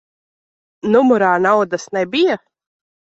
Numurā naudas nebija?